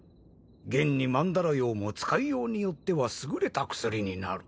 現に曼陀羅葉も使いようによっては優れた薬になる。